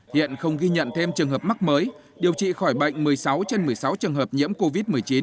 hiện không ghi nhận thêm trường hợp mắc mới điều trị khỏi bệnh một mươi sáu trên một mươi sáu trường hợp nhiễm covid một mươi chín